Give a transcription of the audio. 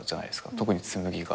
特に紬が。